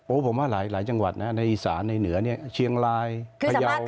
ผมว่าหลายจังหวัดนะในอีสานในเหนือเนี่ยเชียงรายพยาว